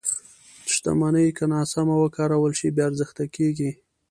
• شتمني که ناسمه وکارول شي، بې ارزښته کېږي.